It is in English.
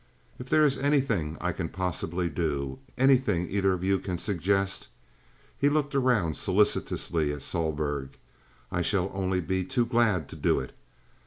If there is anything I can possibly do—anything either of you can suggest"—he looked around solicitously at Sohlberg—"I shall only be too glad to do it.